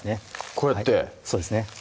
こうやってそうですね